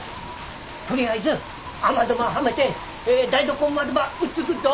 取りあえず雨戸ばはめて台所ん窓ば打っつくっぞ。